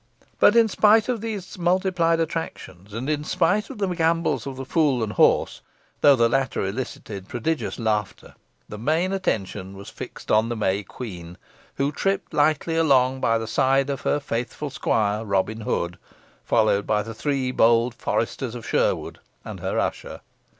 But in spite of these multiplied attractions, and in spite of the gambols of Fool and Horse, though the latter elicited prodigious laughter, the main attention was fixed on the May Queen, who tripped lightly along by the side of her faithful squire, Robin Hood, followed by the three bold foresters of Sherwood, and her usher.